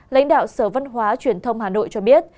lãnh đạo sở văn hóa truyền thông hà nội cho biết